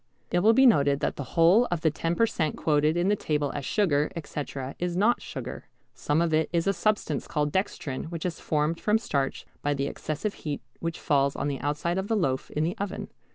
It will be noted that the whole of the 10 per cent. quoted in the table as sugar, etc., is not sugar. Some of it is a substance called dextrin which is formed from starch by the excessive heat which falls on the outside of the loaf in the oven.